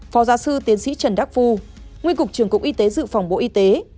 phó giáo sư tiến sĩ trần đắc phu nguyên cục trưởng cục y tế dự phòng bộ y tế